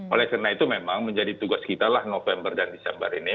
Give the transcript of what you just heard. oleh karena itu memang menjadi tugas kita lah november dan desember ini